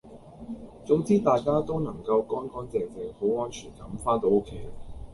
總之大家都能夠乾乾淨淨好安全咁番到屋企